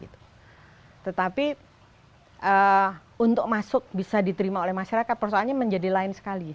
tetapi untuk masuk bisa diterima oleh masyarakat persoalannya menjadi lain sekali